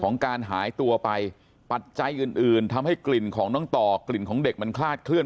การหายตัวไปปัจจัยอื่นอื่นทำให้กลิ่นของน้องต่อกลิ่นของเด็กมันคลาดเคลื